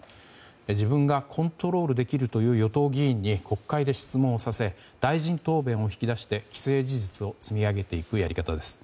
自分がコントロールできるという与党議員に国会で質問をさせ大臣答弁を引き出して既成事実を積み上げていくやり方です。